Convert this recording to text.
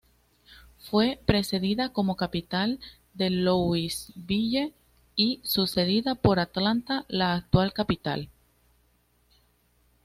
Fue precedida como capital por Louisville y sucedida por Atlanta, la actual capital.